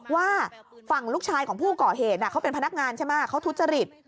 ว่าฝั่งลูกชายของผู้ก่อเหตุเขาเป็นพนักงานใช่ไหมเขาทุจริต